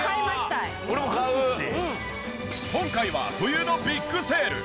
今回は冬のビッグセール！